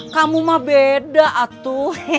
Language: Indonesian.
kamu mah beda atu